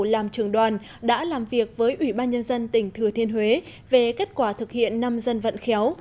làm trường đoàn đã làm việc với ủy ban nhân dân tỉnh thừa thiên huế về kết quả thực hiện năm dân vận khéo